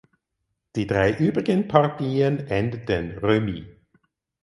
Die drei übrigen Partien endeten remis.